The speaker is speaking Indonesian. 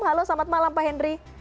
halo selamat malam pak henry